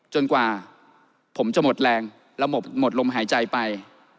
จนกว่าผมจะหมดแรงระบบหมดลมหายใจไป